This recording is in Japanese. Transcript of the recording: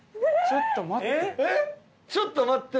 ちょっと待って。